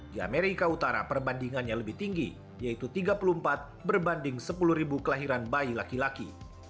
di amerika utara perbandingannya lebih tinggi yaitu tiga puluh empat berbanding sepuluh kelahiran bayi laki laki